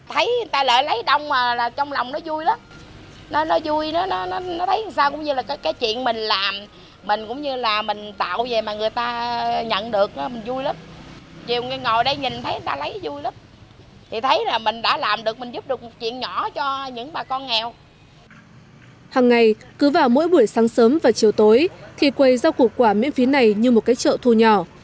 hàng ngày cứ vào mỗi buổi sáng sớm và chiều tối thì quầy rau củ quả miễn phí này như một cái chợ thu nhỏ